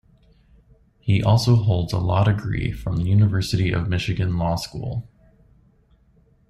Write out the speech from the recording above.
He also holds a law degree from the University of Michigan Law School.